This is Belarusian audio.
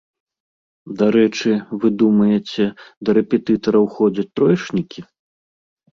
Дарэчы, вы думаеце, да рэпетытараў ходзяць троечнікі?